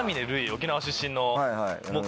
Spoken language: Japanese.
沖縄出身の。